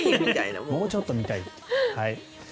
もうちょっと見たい。